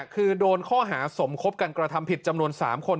คือโดนข้อหาสมคบกันกระทำผิดจำนวน๓คน